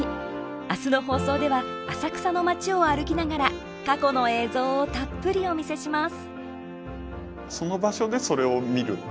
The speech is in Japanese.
明日の放送では浅草の街を歩きながら過去の映像をたっぷりお見せします。